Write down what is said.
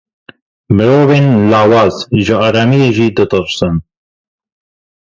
Mirovên lawaz ji aramiyê jî ditirsin.